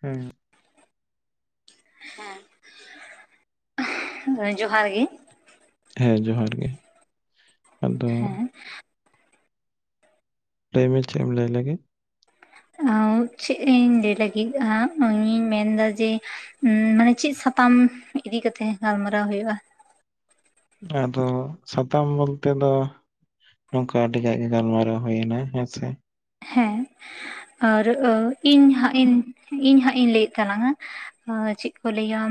ᱦᱩᱸ᱾ ᱦᱮ ᱡᱚᱦᱟᱨ ᱜᱮ, ᱦᱮᱸ ᱡᱚᱦᱟᱨ ᱜᱮ᱾ ᱟᱫᱚ ᱦᱮᱸ ᱞᱟᱹᱭ ᱢᱮ ᱪᱮᱜ ᱮᱢ ᱞᱟᱹᱭ ᱞᱟᱜᱤᱜ ᱪᱮᱜ ᱤᱧ ᱞᱟᱹᱭ ᱞᱟᱹᱜᱤᱫ ᱟ ᱤᱧ ᱢᱮᱱ ᱮᱫᱟ ᱡᱮ, ᱢᱟᱱᱮ ᱪᱮᱫ ᱥᱟᱛᱟᱢ ᱤᱫᱤ ᱠᱟᱛᱮᱜ ᱜᱟᱞᱢᱟᱨᱟᱣ ᱦᱩᱭᱩᱜ-ᱟ‍‍? ᱟᱫᱚ ᱥᱟᱛᱟᱢ ᱵᱚᱞᱛᱮ ᱫᱚ, ᱱᱚᱝᱠᱟ ᱟᱹᱰᱤ ᱜᱟᱡ ᱜᱮ ᱜᱟᱞᱢᱟᱨᱟᱣ ᱦᱳᱭᱱᱟ ᱦᱮᱸ ᱥᱮ, ᱦᱮᱸ᱾ ᱟᱨ ᱤᱧ ᱦᱟᱸᱜ ᱤᱧ ᱤᱧ ᱦᱟᱸᱜ ᱤᱧ ᱞᱟᱹᱭᱮᱫ ᱛᱟᱞᱟᱝᱼᱟ᱾ ᱟᱸ ᱪᱮᱫ ᱠᱚ ᱞᱟᱹᱭᱟ᱾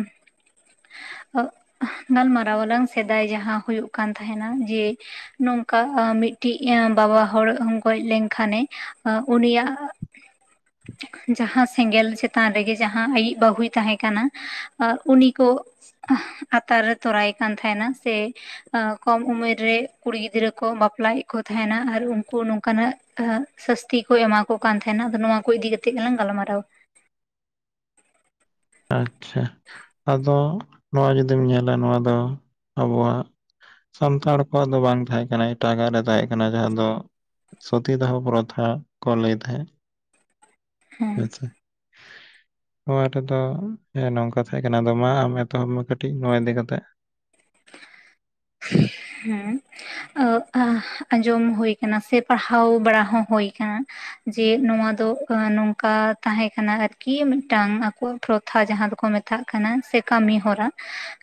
ᱜᱟᱞᱢᱟᱨᱟᱣ ᱟᱞᱟᱝ ᱥᱮᱫᱟᱭ ᱡᱟᱦᱟᱸ ᱦᱩᱭᱩᱜ ᱠᱟᱱ ᱛᱟᱦᱮᱱᱟ ᱡᱮ, ᱱᱚᱝᱠᱟ ᱢᱤᱜᱴᱤᱡ ᱵᱟᱵᱟ ᱦᱚᱲ ᱜᱚᱡ ᱞᱮᱱᱠᱷᱟᱱᱮ ᱩᱱᱤᱭᱟᱜ ᱡᱟᱦᱟᱸ ᱥᱮᱸᱜᱮᱞ ᱪᱮᱛᱟᱱ ᱨᱮᱜᱮ ᱡᱟᱦᱟᱸ ᱟᱹᱭᱤᱡ ᱵᱟᱹᱦᱩᱭ ᱛᱟᱦᱮ ᱠᱟᱱᱟ ᱩᱱᱤ ᱠᱚ, ᱟᱛᱟᱨ ᱛᱚᱨᱟᱭᱮ ᱠᱟᱱ ᱛᱟᱦᱮᱱᱟ ᱥᱮ ᱠᱚᱢ ᱩᱢᱮᱨ ᱨᱮ ᱠᱩᱲᱤ ᱜᱤᱫᱽᱨᱟᱹ ᱠᱚ ᱵᱟᱯᱞᱟᱭᱮᱜ ᱠᱚ ᱛᱟᱦᱮᱱᱟ ᱟᱨ ᱩᱱᱠᱩ ᱱᱚᱝᱠᱟᱱᱟᱜ, ᱥᱟᱥᱛᱤ ᱠᱚ ᱮᱢᱟ ᱠᱚ ᱠᱟᱱ ᱛᱟᱦᱮᱱᱟ ᱟᱫᱚ ᱱᱚᱣᱟ ᱠᱚ ᱤᱫᱤ ᱠᱟᱛᱮᱜ ᱜᱮᱞᱟᱝ ᱜᱟᱞᱢᱟᱨᱟᱣᱟ᱾ ᱟᱪᱪᱷᱟ ᱟᱫᱚ ᱱᱚᱣᱟ ᱡᱩᱫᱤᱢ ᱧᱮᱞᱟ ᱱᱚᱣᱟ ᱫᱚ ᱟᱵᱚᱣᱟᱜ, ᱥᱟᱱᱛᱟᱲ ᱠᱚᱣᱟᱜ ᱫᱚ ᱵᱟᱝ ᱛᱟᱦᱮᱸ ᱠᱟᱱᱟ ᱮᱴᱟᱜᱟᱜ ᱨᱮ ᱛᱟᱦᱮᱸᱜ ᱠᱟᱱᱟ ᱡᱟᱦᱟᱸ ᱫᱚ, ᱥᱚᱛᱤ ᱫᱟᱦᱚ ᱯᱨᱚᱛᱷᱟ ᱠᱚ ᱞᱟᱹᱭ ᱛᱟᱦᱮᱸᱜ᱾ ᱦᱮᱸ ᱦᱳᱭ ᱥᱮ, ᱱᱚᱣᱟ ᱨᱮᱫᱚ ᱦᱮᱸ ᱱᱚᱝᱠᱟ ᱛᱟᱦᱮᱸ ᱠᱟᱱᱟ ᱟᱫᱚ ᱢᱟ ᱟᱢ ᱮᱛᱚᱦᱚᱵ ᱢᱮ ᱠᱟᱹᱴᱤᱡ ᱱᱚᱣᱟ ᱤᱫᱤ ᱠᱟᱛᱮᱜ ᱦᱩᱸ᱾ ᱚ ᱟᱸᱡᱚᱢ ᱦᱳᱭ ᱠᱟᱱᱟ ᱥᱮ ᱯᱟᱲᱦᱟᱣ ᱵᱟᱲᱟ ᱦᱚᱸ ᱦᱳᱭ ᱠᱟᱱᱟ᱾ ᱡᱮ ᱱᱚᱣᱟ ᱫᱚ ᱱᱚᱝᱠᱟ ᱛᱟᱦᱮᱸ ᱠᱟᱱᱟ ᱟᱨᱠᱤ ᱢᱤᱫᱴᱟᱝ ᱟᱠᱚ ᱯᱨᱚᱛᱷᱟ ᱡᱟᱦᱟᱸ ᱫᱚᱠᱚ ᱢᱮᱛᱟᱜ ᱠᱟᱱᱟ ᱥᱮ ᱠᱟᱹᱢᱤ ᱦᱚᱨᱟ,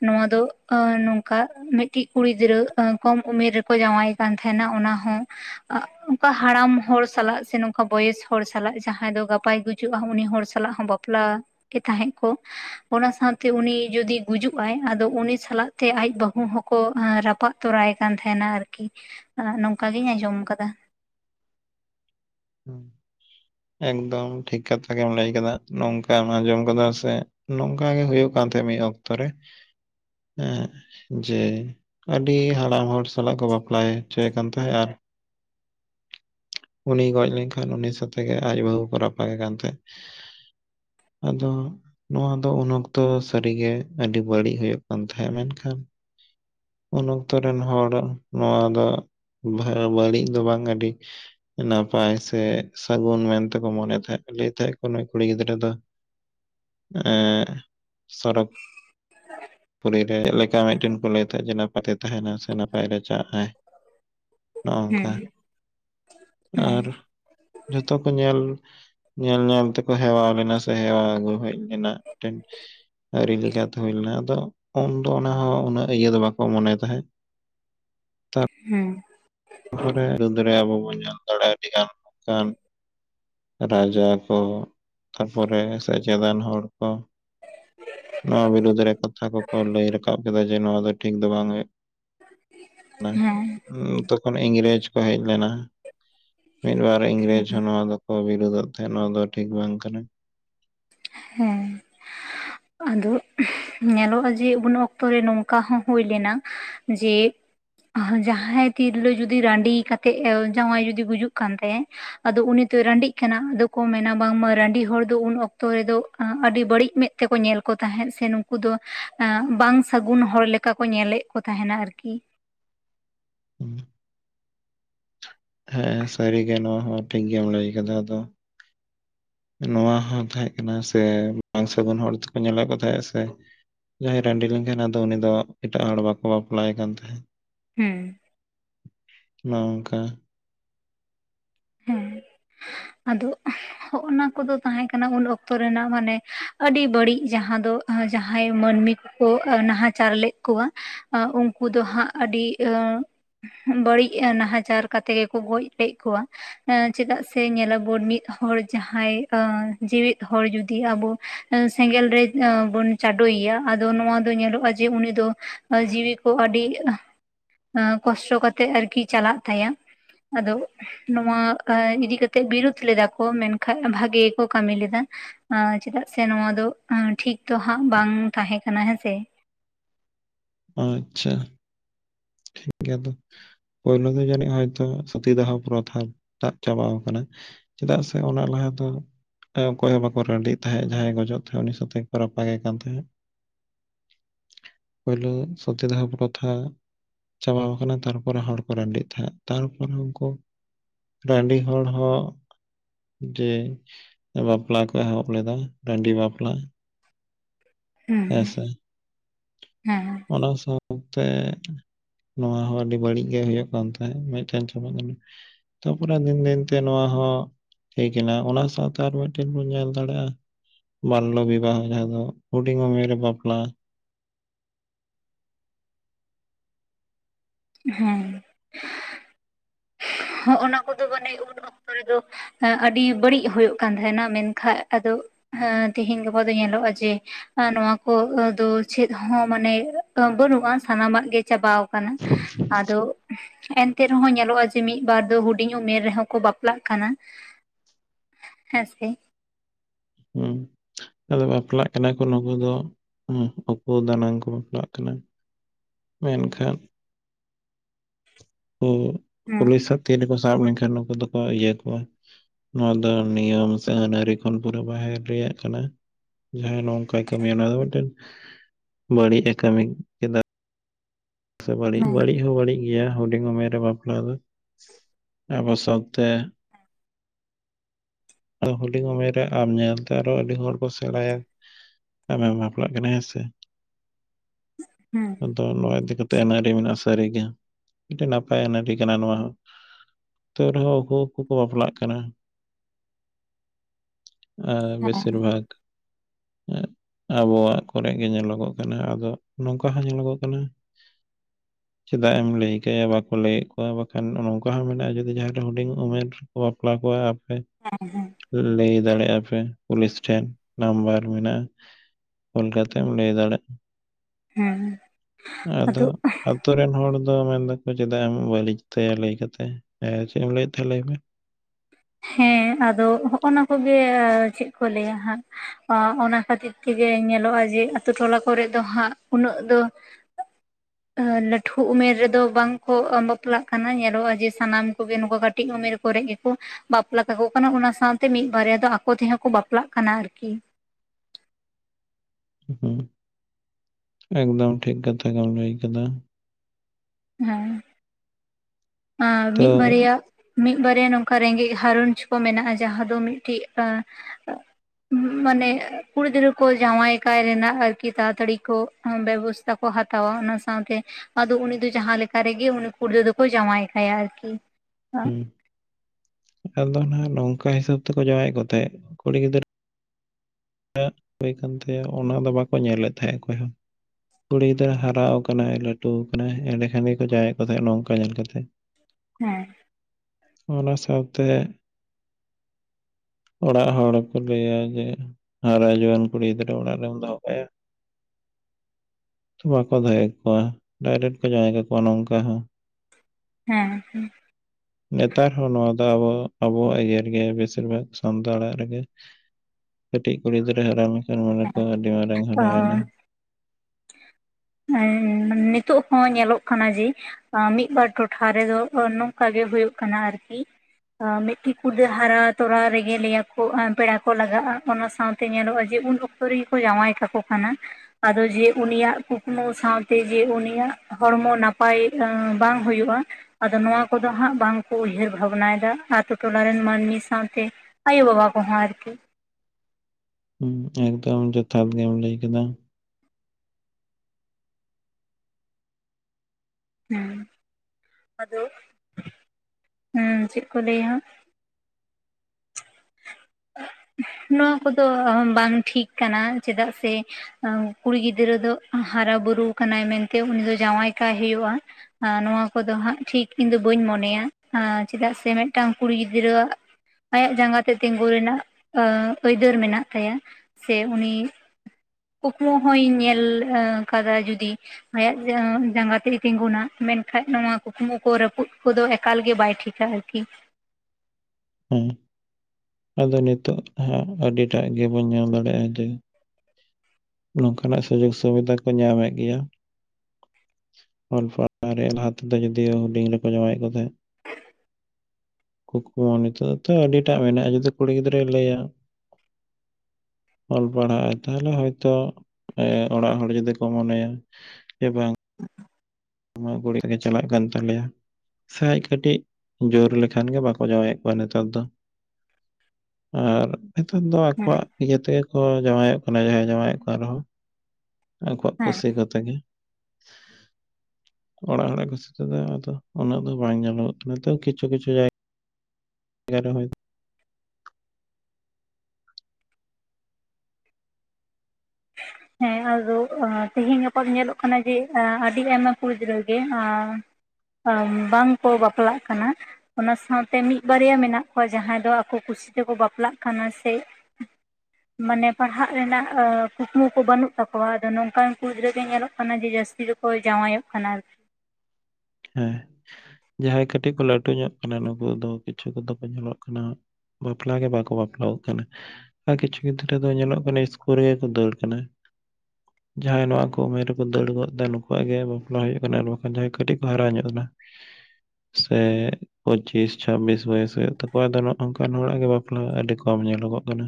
ᱱᱚᱣᱟ ᱫᱚ ᱱᱚᱝᱠᱟ ᱢᱤᱫ ᱢᱤᱫᱴᱤᱡ ᱠᱩᱲᱤ ᱜᱤᱫᱽᱨᱟᱹ ᱠᱚᱢ ᱩᱢᱮᱨ ᱨᱮᱠᱚ ᱡᱟᱶᱟᱭᱮ ᱠᱟᱱ ᱛᱟᱦᱮᱱᱟ ᱚᱱᱟ ᱦᱚᱸ ᱟᱸᱜ ᱚᱝᱠᱟ ᱦᱟᱲᱟᱢ ᱦᱚᱲ ᱥᱟᱞᱟᱜ ᱥᱮ ᱱᱚᱝᱠᱟ ᱵᱚᱭᱮᱥ ᱦᱚᱲ ᱥᱟᱞᱟᱜ ᱡᱟᱦᱟᱸᱭ ᱫᱚ ᱜᱟᱯᱟᱭ ᱜᱩᱡ ᱪᱩᱜ-ᱟ ᱦᱩᱜ-ᱩᱱᱤ ᱦᱚᱲ ᱥᱟᱞᱟᱜ ᱦᱚᱸ ᱵᱟᱯᱞᱟ ᱜᱮ ᱛᱟᱦᱮᱸ ᱠᱚᱜ ᱚᱱᱟ ᱥᱟᱶᱛᱮ ᱩᱱᱤ ᱡᱩᱫᱤ ᱜᱩᱡᱩᱜ-ᱟᱭ ᱟᱫᱚ ᱩᱱᱤ ᱥᱟᱞᱟᱜ ᱛᱮ ᱟᱡ ᱵᱟᱹᱦᱩ ᱦᱚᱸ ᱠᱚ ᱟ ᱨᱟᱯᱟᱜ ᱛᱚᱨᱟᱭ ᱠᱟᱱ ᱛᱟᱦᱮᱸᱱᱟ ᱟᱨᱠᱤ, ᱱᱚᱝᱠᱟ ᱜᱤᱧ ᱟᱸᱡᱚᱢ ᱟᱠᱟᱫᱟ᱾ ᱮᱠᱫᱚᱢ ᱴᱷᱤᱠ ᱠᱟᱛᱷᱟ ᱜᱮᱢ ᱞᱟᱹᱭ ᱠᱟᱫᱟ᱾ ᱱᱚᱝᱠᱟᱢ ᱟᱸᱡᱚᱢ ᱟᱠᱟᱫᱟ ᱥᱮ ᱱᱚᱝᱠᱟ ᱜᱮ ᱦᱩᱭᱩᱜ ᱠᱟᱱ ᱛᱟᱦᱮᱸᱜ ᱢᱤᱫ ᱚᱠᱛᱚ ᱨᱮ ᱦᱮᱸ᱾ ᱡᱮ ᱟᱹᱰᱤ ᱦᱟᱲᱟᱢ ᱦᱚᱲ ᱥᱟᱞᱟᱜ ᱠᱚ ᱵᱟᱯᱞᱟᱭ ᱦᱚᱪᱚᱭᱮ ᱠᱟᱱ ᱛᱟᱦᱮᱸᱜ ᱟᱨ ᱩᱱᱤ ᱜᱚᱡᱽ ᱞᱮᱱᱠᱷᱟᱱ ᱩᱱᱤ ᱥᱟᱛ ᱛᱮᱜᱮ ᱟᱡ ᱵᱟᱹᱦᱩ ᱠᱚ ᱨᱟᱯᱟ ᱜᱮ ᱠᱟᱱ ᱛᱟᱦᱮᱸᱜ ᱟᱫᱚ ᱱᱚᱣᱟ ᱫᱚ ᱩᱱ ᱚᱠᱛᱚ ᱥᱟᱹᱨᱤᱜᱮ ᱟᱹᱰᱤ ᱵᱟᱹᱲᱤᱡ ᱦᱩᱭᱩᱜ ᱠᱟᱱ ᱛᱟᱦᱮᱸᱜ, ᱢᱮᱱᱠᱷᱟᱱ ᱩᱱ ᱚᱠᱛᱚ ᱨᱮᱱ ᱦᱚᱲ ᱱᱚᱣᱟ ᱫᱚ ᱵᱷᱟᱹ ᱵᱟᱹᱲᱤᱡ ᱫᱚ ᱵᱟᱝ ᱟᱹᱰᱤ ᱱᱟᱯᱟᱭ ᱥᱮ ᱥᱟᱹᱜᱩᱱ ᱢᱮᱱᱛᱮᱠᱚ ᱢᱚᱱᱮ ᱛᱟᱦᱮᱸᱜ, ᱞᱟᱹᱭ ᱛᱟᱦᱮᱸᱜ ᱠᱚ ᱱᱩᱭ ᱠᱩᱲᱤ ᱜᱤᱫᱽᱨᱟᱹ ᱫᱚ ᱮᱸᱻ ᱥᱚᱨᱚᱜ ᱯᱩᱨᱤ ᱨᱮ ᱞᱮᱠᱟ ᱢᱤᱫᱴᱮᱱ ᱠᱚ ᱞᱟᱹᱭ ᱛᱮᱜ ᱡᱮ ᱱᱟᱯᱟᱭᱛᱮ ᱛᱟᱦᱮᱸᱱᱟ ᱥᱮ ᱱᱟᱯᱟᱭ ᱨᱮ ᱪᱟᱜ-ᱟᱭ᱾ ᱱᱚᱜ-ᱚᱝᱠᱟ ᱦᱮᱸ ᱟᱨ ᱦᱮᱸ ᱡᱷᱚᱛᱚ ᱠᱚ ᱧᱮᱞ ᱧᱮᱞ ᱧᱮᱞ ᱛᱮᱠᱚ ᱦᱮᱣᱟ ᱞᱮᱱᱟ ᱥᱮ ᱦᱮᱣᱟ ᱟᱹᱜᱩ ᱦᱮᱡᱽ ᱞᱮᱱᱟ ᱢᱤᱫᱴᱮᱱ᱾ ᱟᱹᱨᱤ ᱞᱮᱠᱟᱛᱮ ᱦᱩᱭ ᱞᱮᱱᱟ ᱟᱫᱚ ᱩᱱᱫᱚ ᱚᱱᱟᱦᱚᱸ ᱩᱱᱟᱹᱜ ᱤᱭᱟᱹ ᱫᱚ ᱵᱟᱠᱚ ᱢᱚᱱᱮ ᱛᱟᱦᱮᱸᱜ᱾ ᱦᱮᱸ᱾ ᱚᱱᱟ ᱦᱚᱸ ᱵᱚᱴᱷᱮ‌ ᱨᱟᱹᱫ ᱫᱟᱲᱮ ᱟᱵᱚ ᱵᱚᱱ ᱧᱟᱢ ᱫᱟᱲᱮᱭᱟᱜ-ᱟ ᱟᱹᱰᱤᱜᱟᱱ [unintelligible] ᱠᱟᱱ ᱨᱟᱡᱟ ᱠᱚ, ᱛᱟᱨᱯᱚᱨᱮ ᱥᱮᱪᱮᱫᱟᱱ ᱦᱚᱲ ᱠᱚ, ᱱᱚᱣᱟ ᱵᱤᱨᱩᱫᱽ ᱨᱮ ᱠᱟᱛᱷᱟ ᱠᱚᱠᱚ ᱞᱟᱹᱭ ᱨᱟᱠᱟᱵ ᱠᱮᱫᱟ ᱡᱮ ᱱᱚᱣᱟ ᱫᱚ ᱴᱷᱤᱠ ᱫᱚ ᱵᱟᱝ ᱦᱩᱭᱩᱜ ᱱᱟ ᱦᱮᱸ ᱛᱚᱠᱷᱚᱱ ᱤᱝᱨᱮᱡᱽ ᱠᱚ ᱦᱮᱡ ᱞᱮᱱᱟ᱾ ᱢᱤᱫ ᱵᱟᱨ ᱤᱝᱨᱮᱡᱽ ᱦᱮᱸ ᱦᱚᱸ ᱱᱚᱣᱟ ᱫᱚᱠᱚ ᱵᱤᱨᱩᱫ ᱟᱜ ᱛᱟᱦᱮᱸᱜ ᱱᱚᱣᱟ ᱫᱚ ᱴᱷᱤᱠ ᱵᱟᱝ ᱠᱟᱱᱟ᱾ ᱦᱮᱸ ᱧᱮᱞᱚᱜ-ᱟ ᱡᱮ ᱩᱱ ᱚᱠᱛᱚ ᱨᱮ ᱱᱚᱝᱠᱟ ᱦᱚᱸ ᱦᱩᱭ ᱞᱮᱱᱟ ᱡᱮ ᱡᱟᱦᱟᱸᱭ ᱛᱤᱨᱞᱟᱹ ᱡᱩᱫᱤ ᱨᱟᱺᱰᱤ ᱠᱟᱛᱮᱜ ᱮ ᱡᱟᱶᱟᱭ ᱡᱩᱫᱤ ᱜᱩᱡᱩᱜ ᱠᱟᱱ ᱛᱟᱭᱟᱭ ᱟᱫᱚ ᱩᱱᱤ ᱛᱚᱭ ᱨᱟᱺᱰᱤᱜ ᱠᱟᱱᱟ ᱟᱫᱚ ᱠᱚ ᱢᱮᱱᱟ ᱵᱟᱝᱢᱟ ᱨᱟᱺᱰᱤ ᱦᱚᱲ ᱫᱚ ᱩᱱ ᱚᱠᱛᱚ ᱨᱮᱫᱚ ᱟᱸ ᱟᱹᱰᱤ ᱵᱟᱹᱲᱤᱡ ᱢᱮ ᱛᱮᱠᱚ ᱧᱮᱞ ᱠᱚ ᱛᱟᱦᱮᱸᱜ ᱥᱮ ᱱᱩ ᱩᱱᱠᱩ ᱫᱚ ᱮᱸ ᱵᱟᱝ ᱥᱟᱹᱜᱩᱱ ᱦᱚᱲ ᱞᱮᱠᱟ ᱠᱚ ᱧᱮᱞᱮᱫ ᱠᱚ ᱛᱟᱦᱮᱱᱟ ᱟᱨᱠᱤ᱾ ᱦᱮᱸ ᱥᱟᱹᱨᱤ ᱜᱮ ᱱᱚᱣᱟ ᱦᱚᱸ ᱴᱷᱤᱠ ᱜᱮᱢ ᱞᱟᱹᱭ ᱟᱠᱟᱫᱟ ᱟᱫᱚ ᱱᱚᱣᱟ ᱦᱚᱸ ᱛᱟᱦᱮᱸ ᱠᱟᱱᱟ ᱥᱮ ᱵᱟᱝ ᱥᱟᱹᱜᱩᱱ ᱦᱚᱲ ᱛᱮᱠᱚ ᱧᱮᱞᱮᱜ ᱠᱚ ᱛᱟᱦᱮᱸᱜ ᱥᱮ ᱡᱟᱦᱟᱸᱭ ᱨᱺᱰᱤ ᱞᱮᱱᱠᱷᱟᱱ ᱟᱫᱚ ᱩᱱᱤ ᱫᱚ ᱮᱴᱟᱜ ᱦᱚᱲ ᱵᱟᱠᱚ ᱵᱟᱯᱞᱟᱭ ᱠᱟᱱ ᱛᱟᱦᱮᱸᱜ᱾ ᱦᱮᱸ ᱱᱚᱝᱠᱟ᱾ ᱦᱮᱸ [inaudible] ᱟᱫᱚ ᱦᱚᱜ-ᱚ ᱱᱟ ᱠᱚᱫᱚ ᱛᱟᱦᱮᱸ ᱠᱟᱱᱟ ᱩᱱ ᱚᱠᱛᱚ ᱨᱮᱱᱟᱜ ᱢᱟᱱᱮ ᱟᱹᱰᱤ ᱵᱟᱹᱲᱤᱡ ᱡᱟᱦᱟᱸ ᱫᱚ ᱦᱮᱸ ᱡᱟᱦᱟᱸᱭ ᱢᱟᱹᱱᱢᱤ ᱠᱚᱠᱚ ᱱᱟᱦᱟᱪᱟᱨ ᱞᱮᱫ ᱠᱚᱣᱟ ᱚ ᱩᱱᱠᱩ ᱫᱚ ᱦᱟᱸᱜ ᱟᱹᱰᱤ ᱮᱸ ᱵᱟᱹᱲᱤᱡ ᱱᱟᱦᱟᱸᱪᱟᱨ ᱠᱟᱛᱮ ᱜᱮᱠᱚ ᱜᱚᱡᱽ ᱞᱮᱫ ᱠᱚᱣᱟ᱾ ᱮᱸ ᱪᱮᱫᱟᱜ ᱥᱮ ᱧᱮᱞᱟᱵᱚᱱ ᱢᱤᱫ ᱦᱚᱲ ᱡᱟᱸᱦᱟᱭ ᱟᱸᱻ ᱡᱮᱣᱮᱫ ᱦᱚᱲ ᱡᱚᱫᱤ ᱟᱵᱚ ᱥᱮᱸᱜᱮᱞ ᱨᱮ ᱟᱸ ᱵᱚᱱ ᱪᱟᱰᱳᱮᱭᱟ ᱟᱫᱚ ᱱᱚᱣᱟ ᱫᱚ ᱧᱮᱞᱚᱜ-ᱟ ᱡᱮ ᱩᱱᱤ ᱫᱚ ᱦᱳᱭ ᱡᱤᱣᱤ ᱠᱚ ᱟᱹᱰᱤ ᱠᱚᱥᱴᱚ ᱠᱟᱛᱮᱜ ᱟᱨᱠᱤ ᱪᱟᱞᱟᱜ ᱛᱟᱭᱟ ᱟᱫᱚ ᱱᱚᱣᱟ ᱤᱫᱤ ᱠᱟᱛᱮᱜ ᱵᱤᱨᱩᱫ ᱞᱮᱫᱟ ᱠᱚ ᱢᱮᱱᱠᱷᱟᱱ ᱵᱷᱟᱜᱮ ᱜᱮᱠᱚ ᱠᱟᱹᱢᱤ ᱞᱮᱫᱟ᱾ ᱟᱸ ᱪᱮᱫᱟᱜ ᱥᱮ ᱱᱚᱣᱟ ᱫᱚ ᱴᱷᱤᱠ ᱫᱚ ᱦᱟᱸᱜ ᱵᱟᱝ ᱛᱟᱦᱮᱸ ᱠᱟᱱᱟ ᱦᱮᱸᱥᱮ? ᱟᱪᱪᱷᱟ᱾ ᱴᱷᱤᱠ ᱜᱮᱭᱟ ᱫᱳ᱾ ᱯᱳᱭᱞᱳ ᱫᱚ ᱡᱟᱹᱱᱤᱡ ᱦᱚᱭᱛᱚ ᱥᱚᱛᱤᱫᱟᱦᱚ ᱯᱨᱚᱛᱷᱟ ᱴᱟᱜ ᱪᱟᱵᱟᱣ ᱟᱠᱟᱱᱟ᱾ ᱪᱮᱫᱟᱜ ᱥᱮ ᱚᱱᱟ ᱞᱟᱦᱟ ᱫᱚ ᱚᱠᱚᱭ ᱦᱚᱸ ᱵᱟᱠᱚ ᱨᱟᱺᱰᱤᱜ ᱛᱟᱦᱮᱸᱫ ᱡᱟᱦᱟᱸᱭ ᱜᱚᱡᱚᱜ ᱛᱟᱦᱮᱸᱫ ᱩᱱᱤ ᱥᱟᱛᱮᱜ ᱠᱚ ᱨᱟᱯᱟᱜ ᱮ ᱠᱟᱱ ᱛᱟᱦᱮᱸᱫ᱾ ᱯᱳᱭᱞᱳ ᱥᱚᱛᱤᱫᱟᱦᱚ ᱯᱨᱚᱛᱷᱟ᱾ ᱪᱟᱵᱟᱣ ᱠᱟᱱᱟ ᱛᱟᱨᱯᱚᱨᱮ ᱦᱚᱲ ᱠᱚ ᱨᱟᱺᱰᱤᱜ ᱛᱟᱦᱮᱸᱫ ᱛᱟᱨᱯᱚᱨᱮ ᱱᱩᱠᱩ ᱨᱟᱺᱰᱤ ᱦᱚᱲ ᱦᱚᱸ ᱡᱮ ᱵᱟᱯᱞᱟ ᱠᱚ ᱮᱦᱚᱵ ᱞᱮᱫᱟ ᱨᱟᱺᱰᱤ ᱵᱟᱯᱞᱟ᱾ ᱦᱮᱸ [unintelligible] ᱦᱮᱸ ᱚᱱᱟ ᱥᱟᱶᱛᱮ ᱱᱚᱣᱟ ᱦᱚᱸ ᱟᱹᱰᱤ ᱵᱟᱹᱲᱤᱡ ᱜᱮ ᱦᱳᱭᱳᱜ ᱠᱟᱱ ᱛᱟᱦᱮᱸᱫ ᱢᱤᱫᱴᱟᱝ ᱪᱟᱵᱟ ᱠᱟᱱᱟ᱾ ᱛᱟᱨᱯᱚᱨᱮ ᱫᱤᱱ ᱫᱤᱱᱛᱮ ᱱᱚᱣᱟ ᱦᱚᱸ ᱴᱷᱤᱠ ᱮᱱᱟ ᱚᱱᱟ ᱥᱟᱶᱛᱮ ᱟᱨ ᱢᱤᱫᱴᱮᱱ ᱵᱚᱱ ᱧᱮᱞ ᱫᱟᱲᱮᱭᱟᱜᱼᱟ ᱵᱟᱞᱞᱚ ᱵᱤᱵᱟᱦᱚ ᱡᱟᱦᱟᱸ ᱫᱚ ᱦᱩᱰᱤᱝ ᱩᱢᱮᱨ ᱨᱮ ᱵᱟᱯᱞᱟ᱾ ᱦᱮᱸ᱾ ᱦᱚᱸ ᱚᱱᱟ ᱠᱚᱫᱚ ᱢᱟᱱᱮ ᱩᱱ ᱚᱠᱛᱚ ᱨᱮᱫᱚ ᱟᱹᱰᱤ ᱵᱟᱹᱲᱤᱡ ᱦᱩᱭᱩᱜ ᱠᱟᱱ ᱛᱟᱦᱮᱸᱦᱱᱟ ᱢᱮᱱᱠᱷᱟᱱ ᱟᱫᱚ ᱛᱮᱦᱮᱧ ᱜᱟᱯᱟ ᱫᱚ ᱧᱮᱞᱚᱜᱼᱟ ᱡᱮ ᱱᱚᱣᱟ ᱠᱚᱫᱚ ᱪᱮᱫ ᱦᱚᱸ ᱢᱟᱱᱮ ᱵᱟᱹᱱᱩᱜᱼᱟ ᱥᱟᱱᱟᱢᱟᱜ ᱜᱮ᱾ ᱪᱟᱵᱟ ᱟᱠᱟᱱᱟ ᱟᱫᱚ ᱮᱱᱛᱮ ᱨᱮᱦᱚᱸ ᱧᱮᱞᱚᱜᱼᱟ ᱡᱮ ᱢᱤᱫ ᱵᱟᱨ ᱫᱚ ᱦᱩᱰᱤᱧ ᱩᱢᱮᱨ ᱨᱮᱦᱚᱸ ᱠᱚ ᱵᱟᱯᱞᱟᱜ ᱠᱟᱱᱟ ᱦᱮᱸᱥᱮ᱾ ᱦᱮᱸ ᱟᱫᱚ ᱵᱟᱯᱞᱟᱜ ᱠᱟᱱᱟ ᱠᱚ ᱱᱩᱠᱩ ᱫᱚ ᱩᱠᱩ ᱫᱟᱱᱟᱝ ᱠᱚ ᱵᱟᱯᱞᱟᱜ ᱠᱟᱱᱟ᱾ ᱢᱮᱱᱠᱷᱟᱱ ᱩᱱᱠᱩ ᱦᱮᱸ ᱯᱩᱞᱤᱥᱟᱜ ᱛᱤᱨᱮ ᱠᱚ ᱥᱟᱵ ᱞᱮᱠᱷᱟᱱ ᱱᱩᱠᱩ ᱫᱚᱠᱚ ᱤᱭᱟᱹ ᱠᱚᱣᱟ᱾ ᱱᱚᱣᱟ ᱫᱚ ᱱᱤᱭᱚᱢ ᱥᱮ ᱟᱹᱱ-ᱟᱹᱨᱤ ᱠᱷᱚᱱ ᱯᱩᱨᱟᱹ ᱵᱟᱦᱮᱨ ᱨᱮᱭᱟᱜ ᱠᱟᱱᱟ᱾ ᱡᱟᱦᱟᱸᱭ ᱱᱚᱝᱠᱟᱭ ᱠᱟᱹᱢᱤᱭᱟ ᱚᱱᱟ ᱫᱚ ᱢᱤᱫᱴᱮᱱ ᱵᱟᱹᱲᱤᱡ ᱮ ᱠᱟᱹᱢᱤ ᱠᱮᱫᱟ ᱥᱮ ᱵᱟᱹᱲᱤᱡ ᱵᱟᱹᱲᱤᱡ ᱦᱚᱸ ᱵᱟᱹᱲᱤᱡ ᱜᱮᱭᱟ ᱦᱩᱰᱤᱝ ᱩᱢᱮᱨ ᱨᱮ ᱵᱟᱯᱞᱟ ᱫᱚ᱾ ᱟᱵᱚ ᱥᱟᱶᱛᱮ ᱟᱫᱚ ᱦᱩᱰᱤᱧ ᱩᱢᱮᱨ ᱨᱮ ᱟᱢ ᱧᱮᱞᱛᱮ ᱟᱨᱚ ᱟᱹᱰᱤ ᱦᱚᱲ ᱠᱚ ᱥᱮᱬᱟᱭᱟ᱾ ᱟᱢᱮᱢ ᱵᱟᱯᱞᱟᱜ ᱠᱟᱱᱟ ᱦᱮᱸᱥᱮ ᱦᱩᱸ᱾ ᱟᱫᱚ ᱱᱚᱣᱟ ᱤᱫᱤ ᱠᱟᱛᱮ ᱟᱹᱱ ᱟᱹᱨᱤ ᱢᱮᱱᱟᱜᱼᱟ ᱥᱟᱹᱨᱤᱜᱮ ᱟᱹᱰᱤ ᱱᱟᱯᱟᱭ ᱟᱹᱱ ᱟᱹᱨᱤ ᱠᱟᱱᱟ ᱱᱚᱣᱟ ᱦᱚᱸ᱾ ᱛᱟᱹᱣ ᱨᱮᱦᱚᱸ ᱩᱠᱩ ᱩᱠᱩ ᱠᱚ ᱵᱟᱯᱞᱟᱜ ᱠᱟᱱᱟ᱾ ᱟᱨ ᱵᱮᱥᱤᱨ ᱵᱷᱟᱜᱽ ᱾ ᱟᱵᱚᱣᱟᱜ ᱠᱚᱨᱮ ᱜᱮ ᱧᱮᱞᱚᱜᱚᱜ ᱠᱟᱱᱟ ᱟᱫᱚ ᱱᱚᱝᱠᱟ ᱦᱚᱸ ᱧᱮᱞᱚᱜᱚᱜ ᱠᱟᱱᱟ᱾ [inaudible] ᱪᱮᱫᱟᱜ ᱮᱢ ᱞᱟᱹᱭ ᱠᱟᱭᱟ ᱵᱟᱠᱚ ᱞᱟᱹᱭᱮᱫ ᱠᱚᱣᱟ ᱵᱟᱠᱷᱟᱱ ᱱᱚᱝᱠᱟ ᱦᱚᱸ ᱢᱮᱱᱟᱜᱼᱟ ᱡᱩᱫᱤ ᱡᱟᱦᱟᱸᱨᱮ ᱦᱩᱰᱤᱧ ᱩᱢᱮᱨ ᱠᱚ ᱯᱟᱵᱞᱟ ᱠᱚᱣᱟ ᱟᱯᱮ ᱦᱮᱸ ᱦᱮᱸ᱾ ᱞᱟᱹᱭ ᱫᱟᱲᱮᱭᱟᱜᱼᱟ ᱯᱮ ᱯᱩᱞᱤᱥ ᱴᱷᱮᱱ ᱱᱟᱢᱵᱟᱨ ᱢᱮᱱᱟᱜᱼᱟ᱾ ᱯᱷᱳᱱ ᱠᱟᱛᱮᱢ ᱞᱟᱹᱭ ᱫᱟᱲᱮᱭᱜ ᱦᱮᱸ ᱦᱮᱸ ᱦᱮᱸ ᱟᱫᱚ ᱟᱯᱮ ᱟᱛᱳ ᱨᱮᱱ ᱦᱚᱲ ᱫᱚ ᱢᱮᱱ ᱮᱫᱟᱠᱚ ᱪᱮᱫᱟᱜ ᱮᱢ ᱵᱟᱹᱲᱤᱡ ᱛᱟᱭᱟ ᱞᱟᱹᱭ ᱠᱟᱛᱮ, ᱪᱮᱫ ᱮᱢ ᱞᱟᱹᱭᱮᱫ ᱛᱟᱦᱮᱸ ᱞᱟᱹᱭ ᱢᱮ? ᱦᱮᱸ ᱟᱫᱚ ᱦᱚᱜ ᱱᱟ ᱠᱚᱜᱮ ᱪᱮᱫᱠᱚ ᱞᱟᱹᱭᱟ ᱦᱟᱸᱜ ᱚᱱᱟ ᱠᱷᱟᱹᱛᱤᱨ ᱛᱮᱜᱮ ᱧᱮᱞᱚᱜᱼᱟ ᱡᱮ ᱟᱹᱛᱩ ᱴᱚᱞᱟ ᱠᱚᱨᱮ ᱫᱚ ᱦᱟᱸᱜ ᱩᱱᱟᱹᱜ ᱫᱚ [inaudible] ᱞᱟᱹᱴᱷᱩ ᱩᱢᱮᱨ ᱨᱮᱫᱚ ᱵᱟᱝᱠᱚ ᱵᱟᱯᱞᱟᱜ ᱠᱟᱱᱟ ᱧᱮᱞᱚᱜᱼᱟ ᱡᱮ ᱥᱟᱱᱟᱢ ᱠᱚᱜᱮ ᱱᱚᱝᱠᱟ ᱠᱟᱹᱴᱤᱡ ᱩᱢᱮᱨ ᱠᱚᱨᱮ ᱜᱮᱠᱚ ᱵᱟᱯᱞᱟ ᱠᱟᱠᱚ ᱠᱟᱱᱟ ᱚᱱᱟ ᱥᱟᱶᱛᱮ ᱢᱤᱫ ᱵᱟᱨᱭᱟ ᱫᱚ ᱟᱠᱚ ᱛᱮᱦᱚᱸ ᱠᱚ ᱵᱟᱯᱞᱟᱜ ᱠᱟᱱᱟ ᱟᱨᱠᱤ, ᱦᱩᱸ ᱮᱠᱫᱚᱢ ᱴᱷᱤᱠ ᱠᱟᱛᱷᱟ ᱜᱮᱢ ᱞᱟᱹᱭ ᱠᱮᱫᱟ, ᱦᱮᱸ, ᱟᱨ ᱛᱚ ᱢᱤᱜ ᱵᱟᱨᱭᱟ ᱢᱤᱫ ᱵᱟᱨᱭᱟ ᱱᱚᱝᱠᱟ ᱨᱮᱸᱜᱮᱡ ᱜᱷᱟᱨᱚᱸᱡᱽ ᱠᱚ ᱢᱮᱱᱟᱜᱼᱟ ᱡᱟᱦᱟᱸ ᱫᱚ ᱢᱤᱜᱴᱤ ᱢᱟᱱᱮ ᱠᱩᱲᱤ ᱜᱤᱽᱨᱟᱹ ᱠᱚ ᱡᱟᱶᱟᱭ ᱠᱟᱭ ᱨᱮᱱᱟᱜ ᱟᱨᱠᱤ ᱛᱟᱲᱟ ᱛᱟᱲᱤ ᱠᱚ, ᱵᱮᱵᱚᱥᱛᱟ ᱠᱚ ᱦᱟᱛᱟᱣᱟ ᱚᱱᱟ ᱥᱟᱶᱛᱮ ᱟᱫᱚ ᱩᱱᱤ ᱫᱚ ᱡᱟᱦᱟᱸ ᱞᱮᱠᱟ ᱨᱮᱜᱮ ᱩᱱᱤ ᱠᱩᱲᱤ ᱜᱤᱫᱽᱨᱟᱹ ᱫᱚᱠᱚ ᱡᱟᱶᱟᱭ ᱠᱟᱭᱟ ᱟᱨᱠᱤ᱾ ᱦᱩᱸ ᱟᱫᱚ ᱱᱟᱦᱟᱜ ᱱᱚᱝᱠᱟ ᱦᱤᱥᱟᱹᱵ ᱛᱮᱠᱚ ᱡᱟᱶᱟᱭ ᱮᱫ ᱠᱚ ᱛᱟᱦᱮᱸ ᱠᱩᱲᱤ ᱜᱤᱫᱽᱨᱟᱹᱨ [unintelligible] ᱦᱩᱭ ᱠᱟᱱ ᱛᱟᱭᱟ ᱚᱱᱟ ᱫᱚ ᱵᱟᱠᱚ ᱧᱮᱞᱮᱫ ᱛᱟᱦᱮᱸᱜ ᱚᱠᱚᱭ ᱦᱚᱸ, ᱠᱩᱲᱤ ᱜᱤᱫᱽᱨᱟᱹ ᱦᱟᱨᱟᱣ ᱟᱠᱟᱱᱟᱭ ᱞᱟᱹᱴᱩ ᱟᱠᱟᱱᱟᱭ ᱮᱸᱰᱮᱠᱷᱟᱱ ᱜᱮᱠᱚ ᱡᱟᱶᱟᱮᱫ ᱠᱚ ᱛᱟᱦᱮᱸᱜ ᱱᱚᱝᱠᱟ ᱧᱮᱞ ᱠᱟᱛᱮ᱾ ᱦᱮᱸ, ᱚᱱᱟ ᱥᱟᱶᱛᱮ ᱚᱲᱟᱜ ᱦᱚᱲ ᱠᱚ ᱞᱟᱹᱭᱟ ᱡᱮ ᱦᱟᱨᱟ ᱡᱩᱣᱟᱹᱱ ᱠᱩᱲᱤ ᱜᱤᱫᱽᱨᱟᱹ ᱚᱲᱟᱜ ᱨᱮᱢ ᱫᱚᱦᱚ ᱠᱟᱭᱟ, ᱛᱚ ᱵᱟᱠᱚ ᱫᱚᱦᱚᱭᱮᱜ ᱠᱚᱣᱟ ᱰᱟᱭᱨᱮᱠᱴ ᱠᱚ ᱡᱟᱶᱟᱭ ᱠᱟᱠᱚᱣᱟ ᱱᱚᱝᱠᱟ ᱦᱚᱸ᱾ ᱦᱮᱸ, ᱦᱩᱸ, ᱱᱮᱛᱟᱨ ᱦᱚᱸ ᱱᱚᱣᱟ ᱫᱚ ᱟᱵᱚ ᱟᱵᱚᱣᱟᱜ ᱤᱭᱟᱹ ᱨᱮᱜᱮ ᱵᱮᱥᱤᱨ ᱵᱷᱟᱜ ᱥᱟᱱᱛᱟᱲᱟᱜ ᱨᱮᱜᱮ, ᱠᱟᱹᱴᱤᱡ ᱠᱩᱲᱤ ᱜᱤᱫᱽᱨᱟᱹ ᱦᱟᱨᱟ ᱞᱮᱠᱷᱟᱱ ᱢᱚᱱᱮ ᱟᱠᱚ ᱟᱹᱰᱤ ᱢᱟᱨᱟᱝ ᱚ ᱦᱚᱨᱟᱭᱮᱱᱟ, ᱦᱮᱸ ᱱᱤᱛᱚᱜ ᱦᱚᱸ ᱧᱮᱞᱚᱜ ᱠᱟᱱᱟ ᱡᱮ ᱚ ᱢᱤᱜ ᱵᱟᱨ ᱴᱚᱴᱷᱟ ᱨᱮᱫᱚ ᱱᱚᱝᱠᱟᱜᱮ ᱦᱩᱭᱩᱜ ᱠᱟᱱᱟ ᱟᱨᱠᱤ᱾ ᱢᱤᱫᱴᱤᱡ ᱠᱩᱲᱤᱹ ᱫᱟᱨᱟᱹ ᱦᱟᱨᱟ ᱛᱚᱨᱟ ᱨᱮᱜᱮ ᱞᱟᱹᱭᱟᱠᱚ ᱯᱮᱲᱟ ᱠᱚ ᱞᱟᱜᱟᱜᱼᱟ ᱚᱱᱟ ᱥᱟᱶᱛᱮ ᱧᱮᱞᱚᱜᱼᱟ ᱡᱮ ᱩᱱ ᱚᱠ ᱛᱚ ᱨᱮᱜᱮ ᱠᱚ ᱡᱟᱶᱟᱭ ᱠᱟᱠᱚ ᱠᱟᱱᱟ ᱟᱫᱚ ᱡᱮ ᱩᱱᱤᱭᱟᱜ ᱠᱩᱠ ᱢᱩ ᱥᱟᱶᱛᱮ ᱡᱮ ᱩᱱᱤᱭᱟᱜ ᱦᱚᱲᱢᱚ ᱱᱟᱯᱟᱭ ᱵᱟᱝ ᱦᱩᱭᱩᱜᱼᱟ᱾ ᱟᱫᱚ ᱱᱚᱣᱟ ᱠᱚᱫᱚ ᱦᱟᱸᱜ ᱵᱟᱝᱠᱚ ᱩᱭᱦᱟᱹᱨ ᱵᱷᱟᱵᱱᱟ ᱭᱮᱫᱟ ᱟᱛᱩ ᱴᱚᱞᱟ ᱨᱮᱱ ᱢᱟᱹᱱᱢᱤ ᱥᱟᱶᱛᱮ, ᱟᱭᱳ ᱵᱟᱵᱟ ᱠᱚᱦᱚᱸ ᱟᱨᱠᱤ, ᱦᱩᱸ ᱮᱠᱫᱚᱢ, ᱡᱚᱛᱷᱟᱛ ᱜᱮᱢ ᱞᱟᱹᱭ ᱠᱮᱫᱟ, ᱦᱩᱸ ᱟᱫᱳ, ᱦᱩᱸ, ᱪᱮᱫ ᱠᱚ ᱞᱟᱹᱭᱟ ᱦᱟᱸᱜ᱾ [inaudible] ᱱᱚᱣᱟ ᱠᱚᱫᱚ ᱵᱟᱝ ᱴᱷᱤᱠ ᱠᱟᱱᱟ ᱪᱮᱫᱟᱜ ᱥᱮ ᱠᱩᱲᱤ ᱜᱤᱫᱽᱨᱟᱹ ᱫᱚ ᱦᱟᱨᱟ ᱵᱩᱨᱩ ᱠᱟᱱᱟᱭ ᱢᱮᱱᱛᱮ ᱩᱱᱤ ᱫᱚ ᱡᱟᱶᱟᱭ ᱠᱟᱭ ᱦᱩᱭᱩᱜᱼᱟ ᱱᱚᱣᱟ ᱠᱚᱫᱚ ᱦᱟᱸᱜ ᱴᱷᱤᱠ ᱤᱧ ᱫᱚ ᱵᱟᱹᱧ ᱢᱚᱱᱮᱭᱟ ᱪᱮᱫᱟᱜ ᱥᱮ ᱢᱮᱫᱴᱟᱝ ᱠᱩᱲᱤ ᱜᱤᱫᱽᱨᱟᱹᱣᱟᱜ ᱟᱭᱟᱜ ᱡᱟᱸᱜᱟ ᱛᱮ ᱛᱤᱸᱜᱳ ᱨᱮᱱᱟᱜ ᱟᱹᱭᱫᱟᱹᱨ ᱢᱮᱱᱟᱜ ᱛᱟᱭᱟ ᱥᱮ ᱩᱱᱤ ᱠᱩᱠᱢᱩ ᱦᱚᱭᱧ ᱧᱮᱞ ᱮ ᱠᱟᱫᱟ ᱡᱩᱫᱤ ᱟᱭᱟᱜ ᱡᱟᱸᱜᱟ ᱛᱮᱭ ᱛᱤᱸᱜᱩᱱᱟ ᱢᱮᱱᱠᱷᱡ ᱱᱚᱣᱟ ᱠᱩᱠᱢᱩ ᱠᱚ ᱨᱟᱹᱯᱩᱫ ᱠᱚᱫᱚ ᱮᱠᱟᱞᱜᱮ ᱵᱟᱭ ᱴᱷᱤᱠ, [unintelligible] ᱟᱨᱠᱤ, ᱦᱩᱸ, ᱟᱫᱚ ᱱᱤᱛᱚᱜ ᱦᱟᱸᱜ ᱟᱹᱰᱤ ᱴᱟᱝ ᱜᱮᱵᱚᱱ ᱧᱮᱞ ᱫᱟᱲᱮᱭᱟᱜᱼᱟ ᱡᱮ ᱱᱚᱝᱠᱟᱱᱟᱜ ᱥᱩᱡᱳᱜᱽ ᱥᱩᱵᱤᱫᱷᱟ ᱠᱚ ᱧᱟᱢᱮᱫ ᱜᱮᱭᱟ, ᱚᱞ [inaudible] ᱨᱮ ᱞᱟᱦᱟ ᱛᱮ ᱡᱩᱫᱤ‌ᱳ ᱦᱩᱰᱤᱧ ᱨᱮᱠᱚ ᱡᱟᱶᱟᱭᱮᱫ ᱠᱚ ᱛᱟᱦᱮᱸᱫ ᱠᱩᱠᱢᱩ ᱱᱤᱛᱚᱜ ᱛᱚ ᱟᱹᱰᱤᱴᱟᱜ ᱢᱮᱱᱟᱜᱼᱟ ᱡᱩᱫᱤ ᱠᱩᱲᱤ ᱜᱤᱫᱽᱨᱟᱹᱭ ᱞᱟᱹᱭᱟ, ᱚᱞ ᱯᱟᱲᱦᱟᱜᱼᱟᱭ ᱛᱟᱦᱚᱞᱮ ᱦᱚᱭᱛᱚ ᱚᱲᱟᱜ ᱦᱚᱲ ᱡᱩᱫᱤ ᱠᱚ ᱢᱚᱱᱮᱭᱟ ᱡᱮ ᱵᱟᱝ [unintelligible] [inaudible] ᱪᱟᱞᱟᱜ ᱠᱟᱱ ᱛᱟᱞᱮᱭᱟ, ᱥᱮᱡ ᱠᱟᱹᱴᱤᱡ ᱡᱳᱨ ᱞᱮᱠᱷᱟᱱ ᱜᱮ ᱵᱟᱠᱚ ᱡᱟᱶᱟᱭᱮᱫ ᱠᱚᱣᱟ ᱱᱮᱛᱟᱨ ᱫᱚ᱾ ᱟᱨ ᱱᱮᱛᱟᱨ ᱫᱚ ᱦᱮᱸ ᱟᱠᱚᱣᱟᱜ ᱤᱭᱟᱹ ᱛᱮᱜᱮ ᱠᱚ ᱡᱟᱶᱟᱭᱮᱫ ᱠᱟᱱᱟ ᱡᱟᱦᱟᱸᱭ ᱡᱟᱶᱟᱭ ᱚᱜ ᱠᱟᱱ ᱨᱮᱦᱚᱸ ᱟᱠᱚᱣᱟᱜ ᱦᱮᱸ ᱠᱩᱥᱤ ᱠᱚᱛᱮ ᱜᱮ, ᱚᱲᱟᱜ ᱦᱚᱲᱟᱜ ᱠᱩᱥᱤ ᱛᱮᱫᱚ ᱟᱫᱚ ᱩᱱᱟᱹᱜ ᱫᱚ ᱵᱟᱝ ᱧᱮᱞᱚᱜᱚᱜ ᱠᱟᱱᱟ ᱛᱚ ᱠᱤᱪᱷᱩ ᱠᱤᱪᱷᱩ ᱡᱟᱭ ᱭᱟ ᱨᱮᱦᱚᱸ᱾ ᱦᱮᱸ ᱟᱫᱚ ᱚ ᱛᱤᱦᱤᱧ ᱜᱟᱯᱟ ᱧᱮᱞᱚᱜ ᱠᱟᱱᱟ ᱡᱮ ᱟᱸ ᱟᱹᱰᱤ ᱟᱭᱢᱟ ᱠᱩᱲᱤ ᱜᱤᱫᱽᱨᱟᱹ ᱜᱮ ᱟᱻ, ᱟᱨ ᱵᱟᱝᱠᱚ ᱵᱟᱯᱞᱟᱜ ᱠᱟᱱᱟ᱾ ᱚᱱᱟ ᱥᱟᱶᱛᱮ ᱢᱤᱫ ᱵᱟᱨᱭᱟ ᱢᱮᱱᱟᱜ ᱠᱚᱣᱟ ᱡᱟᱦᱟᱸᱭ ᱫᱚ ᱟᱠᱚ ᱠᱩᱥᱤ ᱛᱮᱠᱚ ᱵᱟᱯᱞᱟᱜ ᱠᱟᱱᱟ ᱥᱮ, [inaudible] ᱢᱟᱱᱮ ᱯᱟᱲᱦᱟᱜ ᱨᱮᱱᱟᱜ ᱟᱹᱯ, ᱠᱩᱠᱢᱩ ᱠᱚ ᱵᱟᱹᱱᱩᱜ ᱛᱟᱠᱚᱣᱟ ᱟᱫᱚ ᱱᱚᱝᱠᱟᱱ ᱠᱩᱲᱤ ᱜᱤᱫᱽᱨᱟᱹ ᱜᱮ ᱧᱮᱞᱚᱜ ᱠᱟᱱᱟ ᱡᱮ ᱡᱟᱹᱥᱛᱤ ᱫᱚᱠᱚ ᱡᱟᱶᱭᱚᱜ ᱠᱟᱱᱟ᱾ ᱦᱮᱸ ᱡᱟᱦᱟᱸᱭ ᱠᱟᱹᱴᱤᱡ ᱠᱚ ᱞᱟᱹᱴᱩ ᱧᱚᱜ ᱠᱟᱱᱟ ᱱᱩᱠᱩ ᱫᱚ ᱠᱤᱪᱷᱩ ᱠᱚᱫᱚ ᱠᱚ ᱧᱮᱞᱚᱜ ᱠᱟᱱᱟ᱾ ᱵᱟᱯᱞᱟᱣ ᱜᱮ ᱵᱟᱠᱚ ᱵᱟᱯᱞᱟᱣ ᱠᱟᱱᱟ᱾ ᱟᱨ ᱠᱤᱪᱷᱩ ᱜᱤᱫᱽᱨᱟᱹ ᱫᱚ ᱧᱮᱞᱚᱜ ᱠᱟᱱᱟ ᱤᱥᱠᱩᱞ ᱨᱮᱜᱮ ᱠᱚ ᱫᱟᱹᱲ ᱠᱟᱱᱟ᱾ ᱡᱟᱦᱟᱸᱭ ᱱᱚᱣᱟ ᱠᱚ ᱩᱢᱮᱨ ᱨᱮᱠᱚ ᱫᱟᱹᱲ ᱜᱚᱫ ᱫᱟ ᱱᱩᱠᱩᱣᱟᱜ ᱜᱮ ᱵᱟᱯᱞᱟ ᱦᱩᱭᱩᱜ ᱠᱟᱱᱟ ᱟᱨ ᱵᱟᱠᱷᱟᱱ ᱡᱟᱦᱟᱸᱭ ᱠᱟᱹᱴᱤᱜ, ᱦᱟᱨᱟ ᱧᱚᱜ ᱮᱱᱟ᱾ ᱥᱮ ᱯᱩᱪᱤᱥ ᱪᱷᱟᱵᱽᱵᱤᱥ ᱵᱟᱹᱭᱮᱥ ᱦᱩᱭᱩᱜ ᱛᱟᱠᱚᱣᱟ ᱟᱫᱚ ᱱᱚᱜ ᱱᱚᱝᱠᱟᱱ ᱦᱚᱲᱟᱜ ᱜᱮ ᱵᱟᱯᱞᱟ ᱟᱹᱰᱤ ᱠᱚᱢ ᱧᱮᱞᱚᱜ-ᱟ᱾ ᱵᱟᱱᱟ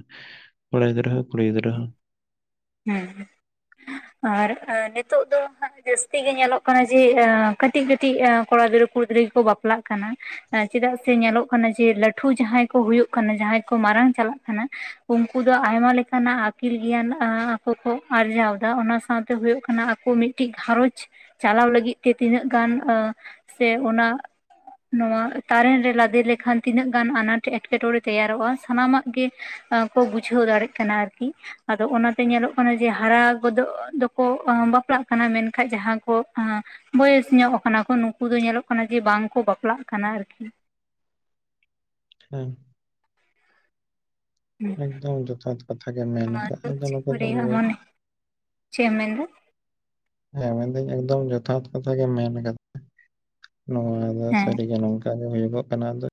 ᱠᱚᱲᱟ ᱜᱤᱫᱽᱨᱟᱹ ᱦᱚᱸ ᱠᱩᱲᱤ ᱜᱤᱫᱽᱨᱟᱹ ᱦᱚᱸ᱾ ᱦᱮᱸ᱾ ᱟᱨ ᱮᱸ ᱱᱤᱛᱚᱜ ᱫᱚ ᱦᱟᱸᱜ ᱡᱟᱹᱥᱛᱤ ᱜᱮ ᱧᱮᱞᱚᱜ ᱠᱟᱱᱟ ᱡᱮ ᱮᱸ ᱠᱟᱹᱴᱤᱡ-ᱠᱟᱹᱴᱤᱡ ᱮᱸ ᱠᱚᱲᱟ ᱜᱤᱫᱽᱨᱟᱹ ᱠᱩᱲᱤ ᱜᱤᱫᱽᱨᱟᱹ ᱠᱚ ᱵᱟᱯᱞᱟᱜ ᱠᱟᱱᱟ᱾ ᱮᱸ ᱪᱮᱫᱟᱜ ᱥᱮ ᱧᱮᱞᱚᱜ ᱠᱟᱱᱟ ᱡᱮ ᱞᱟᱹᱴᱷᱩ ᱡᱟᱦᱟᱸᱭ ᱠᱚ ᱦᱩᱭᱩᱜ ᱠᱟᱱᱟ ᱡᱟᱦᱟᱸᱭ ᱠᱚ ᱢᱟᱨᱟᱝ ᱪᱟᱞᱟᱜ ᱠᱟᱱᱟ᱾ ᱩᱱᱠᱩ ᱫᱚ ᱟᱭᱢᱟ ᱞᱮᱠᱟᱱᱟᱜ ᱟᱹᱠᱤᱞ ᱜᱮᱭᱟᱱ᱾ ᱟᱸ ᱟᱠᱚ ᱠᱚ ᱟᱨᱡᱟᱣ ᱫᱟ ᱚᱱᱟ ᱥᱟᱶᱛᱮ ᱦᱩᱭᱩᱜ ᱠᱟᱱᱟ ᱟᱠᱚ ᱢᱤᱫ ᱴᱤᱡ ᱜᱷᱟᱨᱚᱧᱡᱽ, ᱪᱟᱞᱟᱣ ᱞᱟᱹᱜᱤᱫ ᱛᱮ ᱛᱤᱱᱟᱹᱜ ᱜᱟᱱ ᱟᱸ ᱥᱮ ᱚᱱᱟ ᱱᱚᱣᱟ ᱛᱟᱨᱮᱱ ᱨᱮ ᱞᱟᱫᱮ ᱞᱮᱠᱷᱟᱱ ᱛᱤᱱᱟᱹᱜ ᱜᱟᱱ ᱟᱱᱟᱴ ᱮᱴᱠᱮᱴᱚᱬᱮ ᱛᱮᱭᱟᱨᱚᱜ-ᱟ ᱥᱟᱱᱟᱢᱟᱜ ᱜᱮ, ᱟᱠᱚ ᱵᱩᱡᱷᱟᱹᱣ ᱫᱟᱲᱮᱜ ᱠᱟᱱᱟ ᱟᱨᱠᱤ ᱟᱫᱚ ᱚᱱᱟ ᱛᱮ ᱧᱮᱞᱚᱜ ᱠᱟᱱᱟ ᱡᱮ ᱦᱟᱨᱟ ᱜᱚᱫᱚᱜ ᱫᱚᱠᱚ ᱟᱸ ᱵᱟᱯᱞᱟᱜ ᱠᱟᱱᱟ ᱢᱮᱱᱠᱷᱟᱡ ᱡᱟᱦᱟᱸ ᱠᱚ ᱟᱸ, ᱵᱚᱭᱮᱥ ᱧᱚᱜ ᱠᱟᱱᱟ ᱠᱚ ᱱᱩᱠᱩ ᱫᱚ ᱧᱮᱞᱚᱜ ᱠᱟᱱᱟ ᱡᱮ ᱵᱟᱝᱠᱚ ᱵᱟᱯᱞᱟᱜ ᱠᱟᱱᱟ ᱟᱨᱠᱤ ᱦᱮᱸ᱾ ᱦᱮᱸ ᱮᱠᱫᱚᱢ ᱡᱚᱛᱷᱟᱛ ᱠᱟᱛᱷᱟ ᱜᱮᱢ ᱢᱮᱱ ᱠᱟᱜ-ᱟ ᱟᱨ ᱟᱫᱚ ᱱᱚᱛᱮ ᱫᱚ ᱨᱩᱣᱟᱹ᱾ ᱪᱮᱜ ᱮᱢ ᱢᱮᱱᱟ? ᱦᱮᱸ ᱢᱮᱱᱫᱟᱹᱧ ᱮᱠᱫᱚᱢ ᱡᱚᱛᱷᱟᱛ ᱠᱟᱛᱷᱟ ᱜᱮᱢ ᱢᱮᱱ ᱠᱟᱫᱟ ᱱᱚᱣᱟ ᱫᱚ ᱦᱮᱸ ᱥᱟᱹᱨᱤ ᱜᱮ ᱱᱚᱝᱠᱟ, ᱟᱫᱚ ᱦᱩᱭᱩᱜᱚᱜ ᱠᱟᱱᱟ ᱟᱫᱚᱡ